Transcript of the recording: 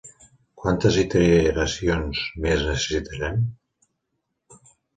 Quantes iteracions més necessitarem?